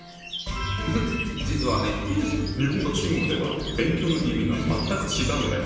実はね日本と中国では「勉強」の意味が全く違うんだよ。